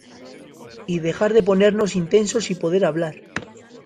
y dejar de ponernos intensos y poder hablar.